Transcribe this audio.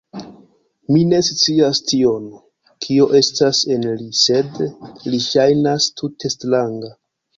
Mi ne scias tion, kio estas en li; sed li ŝajnas tute stranga.